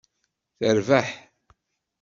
Terbeḥ.